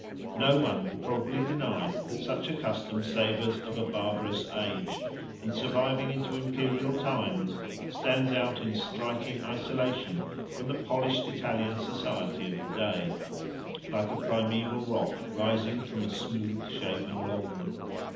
No one will probably deny that such a custom savours of a barbarous age, and, surviving into imperial times, stands out in striking isolation from the polished Italian society of the day, like a primaeval rock rising from a smooth shaven lawn.